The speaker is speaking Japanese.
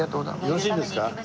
よろしいですか？